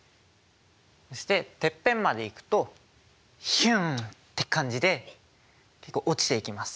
そしててっぺんまで行くとヒュンって感じで落ちていきます。